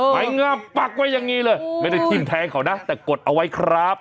ไม้งามปักไว้อย่างนี้เลยไม่ได้ทิ้มแทงเขานะแต่กดเอาไว้ครับ